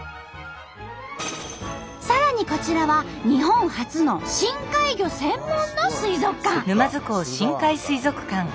さらにこちらは日本初の深海魚専門の水族館。